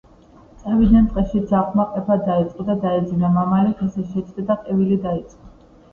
წავიდნენ ტყეში. ძაღლმა ყეფა დაიწყო და დაეძინა. მამალი ხეზე შეჯდა და ყივილი დაიწყო.